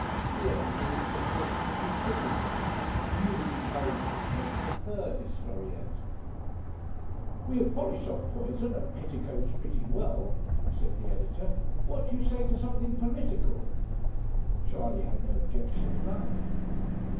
The editor was proportionably civil to him, and he was encouraged to commence a third historiette. 'We have polished off poison and petticoats pretty well,' said the editor; 'what do you say to something political?' Charley had no objection in life.